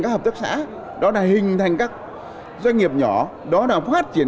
các hợp tác xã đó là hình thành các doanh nghiệp nhỏ đó là phát triển